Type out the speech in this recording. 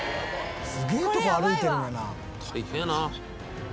すげえとこ歩いてるよな」